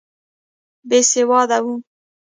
بېسواده وو.